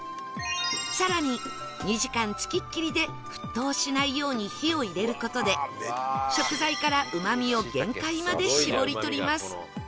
更に２時間付きっきりで沸騰しないように火を入れる事で食材からうまみを限界まで絞り取ります